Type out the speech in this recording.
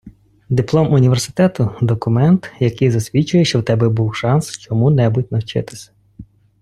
Диплом університету – документ, який засвідчує, що в тебе був шанс чому-небудь навчитися.